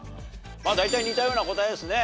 まあ大体似たような答えですね。